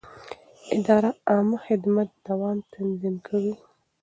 اداره د عامه خدمت د دوام تضمین کوي.